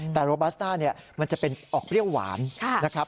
แต่โรบัสต้าเนี่ยมันจะเป็นออกเปรี้ยวหวานนะครับ